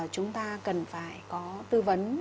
chúng ta cần phải có tư vấn